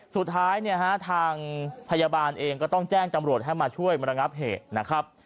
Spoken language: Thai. สุดท้ายเนี่ยฮะทางพยาบาลเองก็ต้องแจ้งจำรวจให้มาช่วยมรงับเหตุนะครับ